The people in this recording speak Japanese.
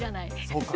そうか。